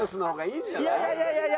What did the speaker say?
いやいやいやいやいや。